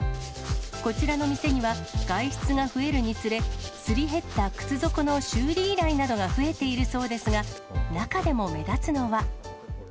こちらの店には、外出が増えるにつれ、すり減った靴底の修理依頼などが増えているそうですが、中でも目立つのは。